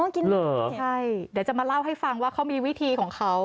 กินเลยใช่เดี๋ยวจะมาเล่าให้ฟังว่าเขามีวิธีของเขา